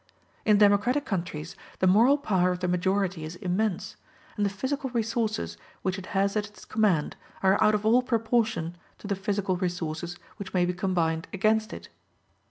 In democratic countries the moral power of the majority is immense, and the physical resources which it has at its command are out of all proportion to the physical resources which may be combined against it.